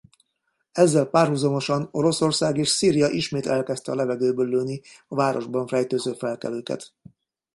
Ezzel párhuzamosan Oroszország és Szíria ismét elkezdte a levegőből lőni a városban rejtőző felkelőket.